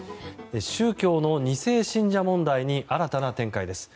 宗教の２世信者問題に新たな展開です。